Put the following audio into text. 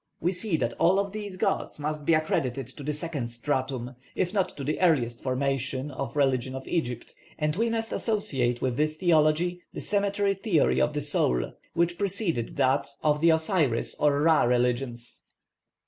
We see that all of these gods must be accredited to the second stratum, if not to the earliest formation, of religion in Egypt. And we must associate with this theology the cemetery theory of the soul which preceded that of the Osiris or Ra religions.